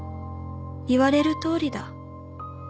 「言われるとおりだ」